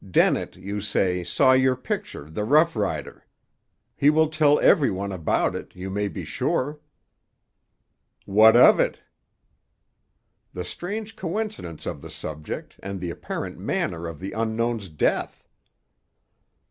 Dennett, you say, saw your picture, The Rough Rider. He will tell every one about it, you may be sure." "What of it?" "The strange coincidence of the subject, and the apparent manner of the unknown's death."